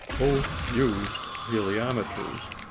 Both used heliometers.